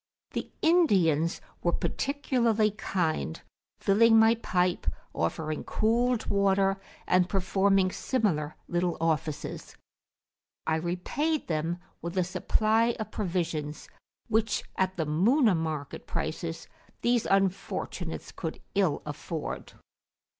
The Indians were particularly kind, filling my pipe, offering cooled water, and performing similar little offices. I repaid them with a supply of provisions, [p.222] which, at the Muna market prices, these unfortunates could ill afford.